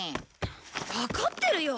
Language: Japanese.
わかってるよ！